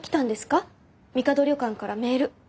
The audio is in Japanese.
みかど旅館からメール。